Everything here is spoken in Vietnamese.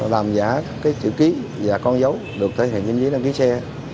làm giả các chữ ký và con dấu được thể hiện trên giấy đăng ký xe